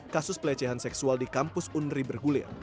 kasus pelecehan seksual di kampus unri bergulir